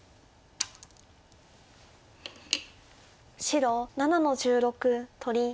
白７の十六取り。